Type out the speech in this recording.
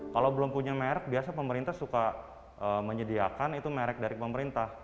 kalau belum punya merek biasa pemerintah suka menyediakan itu merek dari pemerintah